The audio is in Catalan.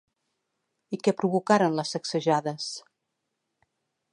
I què provocaren les sacsejades?